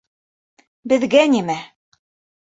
— Беҙгә нимә!